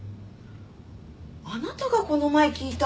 あなたがこの前聞いたんでしょ。